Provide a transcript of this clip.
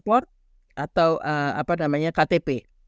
port atau apa namanya ktp